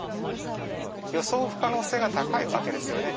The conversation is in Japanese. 予想不可能性が高いわけですよね。